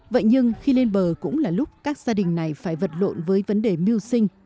vậy nhưng khi lên bờ cũng là lúc các gia đình này phải vật lộn với vấn đề mưu sinh